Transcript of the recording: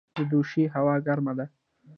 د دوشي هوا ګرمه ده